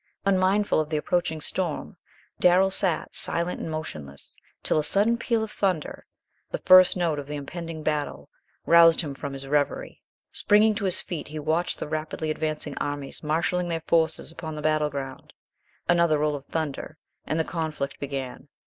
Unmindful of the approaching storm Darrell sat, silent and motionless, till a sudden peal of thunder the first note of the impending battle roused him from his revery. Springing to his feet he watched the rapidly advancing armies marshalling their forces upon the battle ground. Another roll of thunder, and the conflict began.